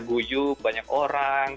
guyuk banyak orang